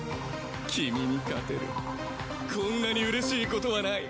君に勝てるこんなにうれしいことはない。